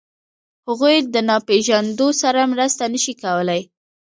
هغوی له ناپېژاندو سره مرسته نهشي کولی.